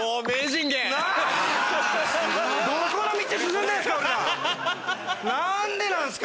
どこの道進んでんすか？